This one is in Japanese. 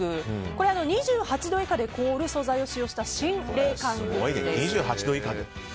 これ、２８度以下で凍る素材を使用した新冷感グッズです。